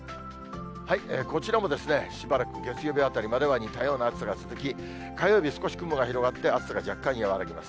こちらもですね、しばらく、月曜日あたりまでは似たような暑さが続き、火曜日、少し雲が広がって、暑さが若干弱まります。